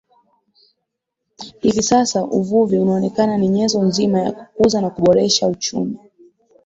Hivi sasa uvuvi unaonekana ni nyenzo nzima ya kukuza na kuboresha uchumi